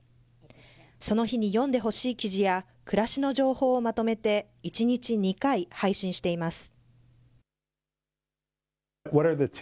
その日に読んでほしい記事や、暮らしの情報をまとめて、１日２回配信しています。